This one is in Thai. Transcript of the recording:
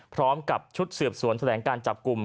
พร้อมกับชุดสืบสวนแถลงการจับกลุ่ม